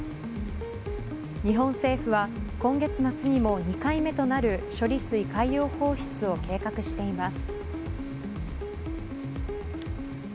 日本政府は今月末にも２回目となる処理水海洋放出を計画しています。